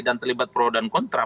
dan terlibat pro dan kontra